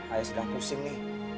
ayah sedang pusing nih